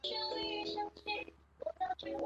近亲长臂蟹为玉蟹科长臂蟹属的动物。